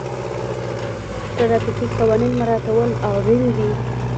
ټرافیکي قوانین مراعتول اړین دي.